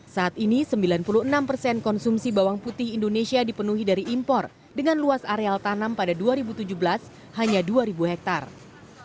saat ini sembilan puluh enam persen konsumsi bawang putih indonesia dipenuhi dari impor dengan luas areal tanam pada dua ribu tujuh belas hanya dua hektare